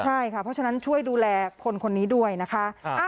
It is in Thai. ใช่ค่ะเพราะฉะนั้นช่วยดูแลคนคนนี้ด้วยนะคะ